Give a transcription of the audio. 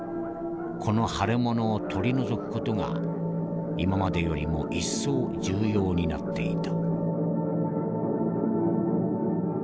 この腫れ物を取り除く事が今までよりも一層重要になっていた」。